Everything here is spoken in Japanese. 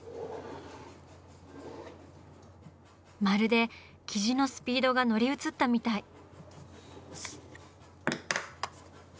まるで雉のスピードが乗り移ったみたい。